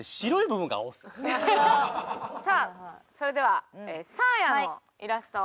さあそれではサーヤのイラスト。